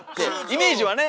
イメージはね！